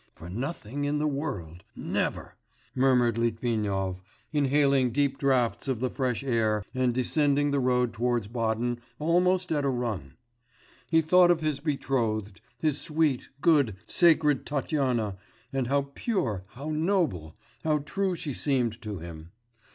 'For nothing in the world! never!' murmured Litvinov, inhaling deep draughts of the fresh air and descending the road towards Baden almost at a run. He thought of his betrothed, his sweet, good, sacred Tatyana, and how pure, how noble, how true she seemed to him.